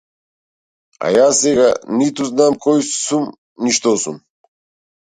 А јас сега ниту знам кој сум ни што сум.